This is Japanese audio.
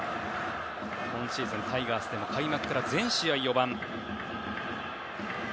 今シーズン、タイガースでも開幕から全試合４番。